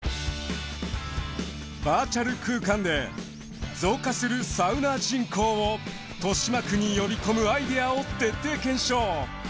バーチャル空間で増加するサウナ人口を豊島区に呼び込むアイデアを徹底検証。